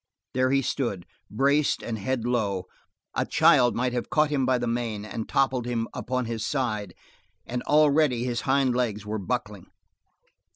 There he stood, braced and head low; a child might have caught him by the mane and toppled him upon his side, and already his hind legs were buckling.